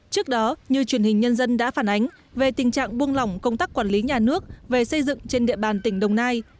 trước đó như truyền hình nhân dân đã phản ánh về tình trạng buông lỏng công tác quản lý nhà nước về xây dựng trên địa bàn tỉnh đồng nai